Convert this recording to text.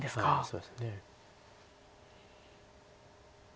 そうですね。